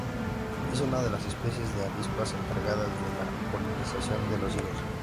Es una de las especies de avispas encargadas de la polinización de los higos.